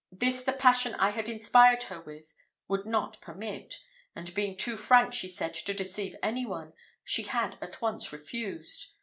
This the passion I had inspired her with would not permit; and being too frank, she said, to deceive any one, she had at once refused.